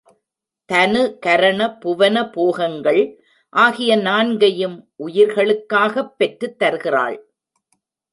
தனு கரண புவன போகங்கள் ஆகிய நான்கையும் உயிர்களுக்காகப் பெற்றுத் தருகிறாள்.